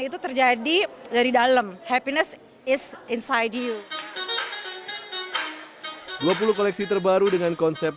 itu terjadi dari dalam happiness is inside you dua puluh koleksi terbaru dengan konsep